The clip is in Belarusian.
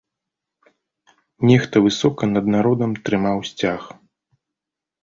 Нехта высока над народам трымаў сцяг.